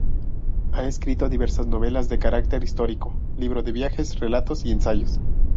Ha escrito diversas novelas de carácter histórico, libro de viajes, relatos y ensayos.